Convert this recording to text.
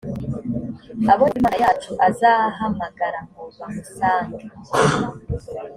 abo yehova imana yacu azahamagara ngo bamusange